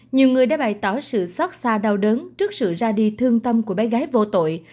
nhiều người đã bày tỏ sự xót xa đau đớn trước sự ra đi thương tâm của bé gái vô tội